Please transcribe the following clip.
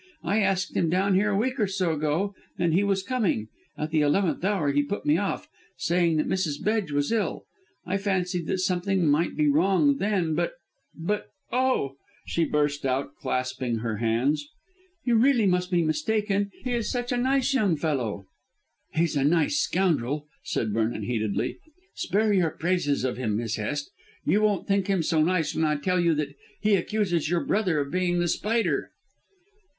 I asked him down here a week or so ago and he was coming. At the eleventh hour he put me off, saying that Mrs. Bedge was ill. I fancied that something might be wrong then, but but oh!" she burst out, clasping her hands, "you really must be mistaken. He is such a nice young fellow." "He's a nice scoundrel," said Vernon heatedly. "Spare your praises of him, Miss Hest. You won't think him so nice when I tell you that he accuses your brother of being The Spider."